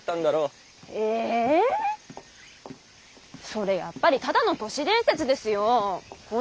それやっぱりただの都市伝説ですよォ。